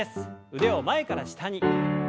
腕を前から下に。